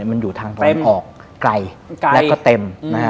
มันอยู่ทางตรงออกไกลและก็เต็ม